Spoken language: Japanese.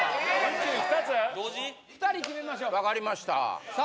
２人決めましょう分かりましたさあ